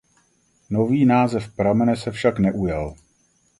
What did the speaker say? Nový název pramene se však neujal.